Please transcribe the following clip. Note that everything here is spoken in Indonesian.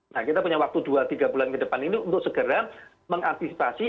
nah kita punya waktu dua tiga bulan ke depan ini untuk segera mengantisipasi